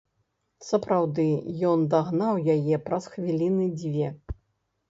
Сапраўды, ён дагнаў яе праз хвіліны дзве.